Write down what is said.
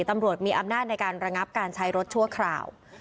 ตำรวจมีอำนาจในการระงับการใช้รถชั่วคราว